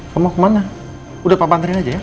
kamu mau kemana udah papanterin aja ya